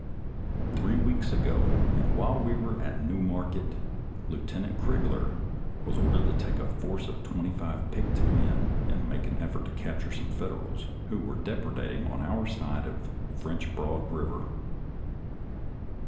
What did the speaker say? Three weeks ago and while we were at New Market, Lieutenant Crigler was ordered to take a force of twenty five picked men and make an effort to capture some Federals who were dep redating on our side of French Broad Eiver.